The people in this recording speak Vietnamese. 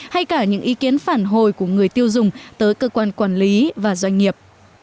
hay cả những ý kiến phản hồi của người tiêu dùng tới cơ quan quản lý và doanh nghiệp